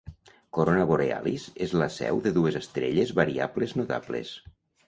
Corona Borealis és la seu de dues estrelles variables notables.